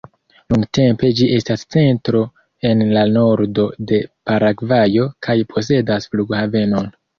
Nuntempe ĝi estas centro en la nordo de Paragvajo kaj posedas flughavenon.